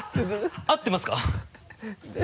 合ってますか？